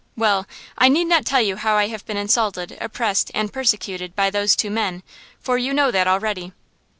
"Well, I need not tell you how I have been insulted, oppressed and persecuted by those two men, for you know that already."